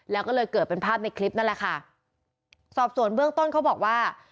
แล้วก็เลยเกิดเป็นภาพในคลิปนั่นแหละค่ะสอบส่วนเบื้องต้นเขาบอกว่า